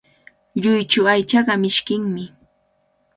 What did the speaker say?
Lluychu aychaqa mishkinmi.